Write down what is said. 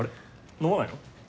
飲まないの？